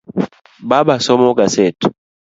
Baba somo gaset.